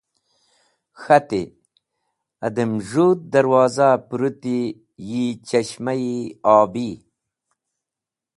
K̃hati: “Adem z̃hũ darwoza pũrũti yi chashma-e obi.